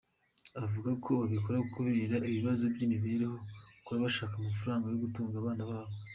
Avuga ko babikora kubera ibibazo by’imibereho, baba bashaka amafaranga yo gutunga abana babo.